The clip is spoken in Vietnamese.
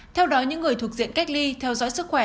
theo đó những người thuộc diện cách ly theo dõi sức khỏe